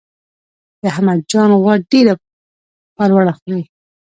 د احمد جان غوا ډیره پروړه خوري.